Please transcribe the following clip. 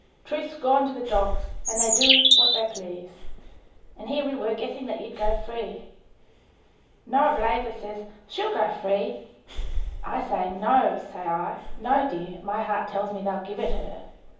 "Truth's gone to the dogs and they do what they please, and here we were guessing that you'd go free. Norableva says, 'She'll go free.' I say, 'No,' say I. 'No, dear, my heart tells me they'll give it her.